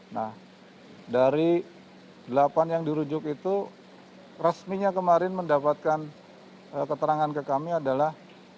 nah dari delapan yang dirujuk itu resminya kemarin mendapatkan keterangan ke kami adalah